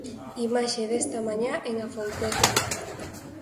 Imaxe desta mañá en Afouteza.